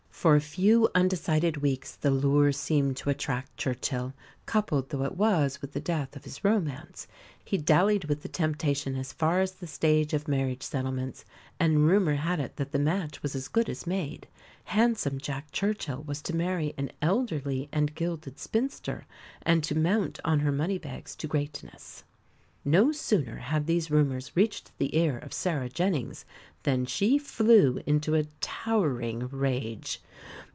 For a few undecided weeks the lure seemed to attract Churchill, coupled though it was with the death of his romance. He dallied with the temptation as far as the stage of marriage settlements; and rumour had it that the match was as good as made. Handsome Jack Churchill was to marry an elderly and gilded spinster, and to mount on her money bags to greatness! No sooner had these rumours reached the ear of Sarah Jennings than she flew into a towering rage.